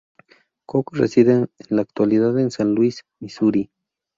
Cook reside en la actualidad en San Luis, Misuri.